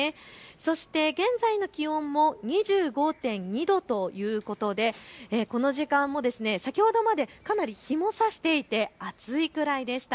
そして現在の気温も２５．２度ということでこの時間も先ほどまでかなり日も差していて暑いくらいでした。